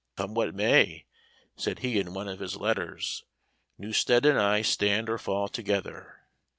"Come what may," said he in one of his letters, "Newstead and I stand or fall together.